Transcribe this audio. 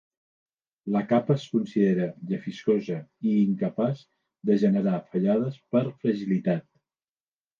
La capa es considera llefiscosa i incapaç de generar fallades per fragilitat.